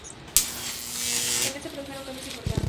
En el se produjeron cambios importantes.